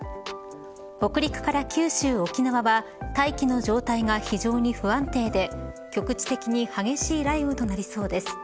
北陸から九州、沖縄は大気の状態が非常に不安定で局地的に激しい雷雨となりそうです。